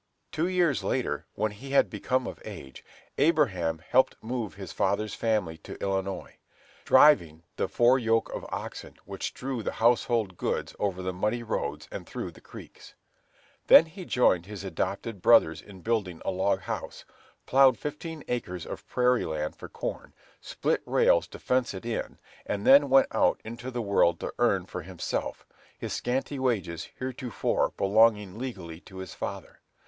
Two years later, when he had become of age, Abraham helped move his father's family to Illinois, driving the four yoke of oxen which drew the household goods over the muddy roads and through the creeks. Then he joined his adopted brothers in building a log house, plowed fifteen acres of prairie land for corn, split rails to fence it in, and then went out into the world to earn for himself, his scanty wages heretofore belonging legally to his father.